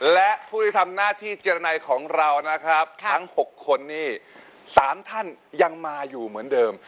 และผู้ที่ทำหน้าที่เจรนัยของเรานะครับทั้ง๖คนนี้๓ท่านยังมาอยู่เหมือนเดิม